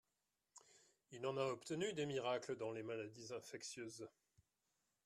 Il en a obtenu des miracles dans les maladies infectieuses.